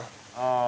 ああ。